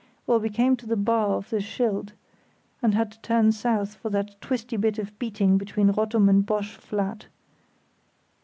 Well, we came to the bar of the Schild, and had to turn south for that twisty bit of beating between Rottum and Bosch Flat.